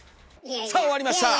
さあ終わりました！